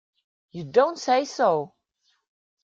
You don't say so!